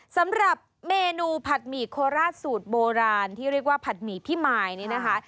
สำหรับเมนูผัดหมี่โคราชสูตรโบราณที่เรียกว่าผัดหมี่พี่มายนี่นะคะ